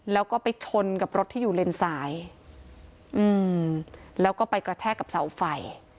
แล้วก็ไปชนกับรถที่อยู่เลนซ้ายอืมแล้วก็ไปกระแทกกับเสาไฟ